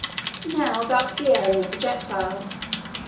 Now about the air in the projectile.